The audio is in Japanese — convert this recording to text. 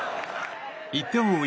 １点を追う